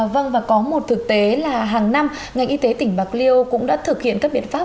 vâng và có một thực tế là hàng năm ngành y tế tỉnh bạc liêu cũng đã thực hiện các biện pháp